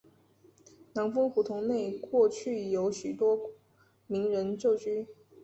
南丰胡同内过去有许多名人旧居。